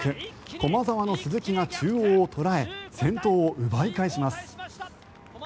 駒澤の鈴木が中央を捉え先頭を奪い返します。